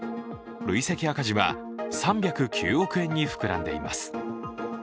累積赤字は２０９億円に膨らんでいます。